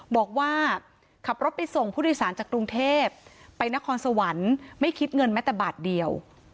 บอกว่าขับรถไปส่งผู้โดยสารจากกรุงเทพไปนครสวรรค์ไม่คิดเงินแม้แต่บาทเดียว